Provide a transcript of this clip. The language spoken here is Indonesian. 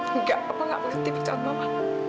enggak papa gak mengerti perasaan mama